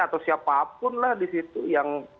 atau siapapun lah di situ yang